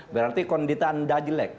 berarti konditan anda jelek